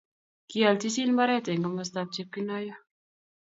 kial chichin mbaret eng komostab Chepkinoiyo